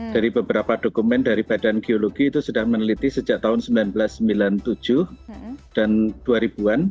dari beberapa dokumen dari badan geologi itu sudah meneliti sejak tahun seribu sembilan ratus sembilan puluh tujuh dan dua ribu an